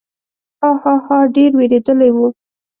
ها، ها، ها، ډېر وېرېدلی و.